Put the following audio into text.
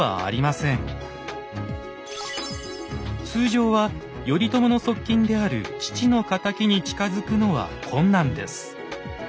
通常は頼朝の側近である父の敵に近づくのは困難です。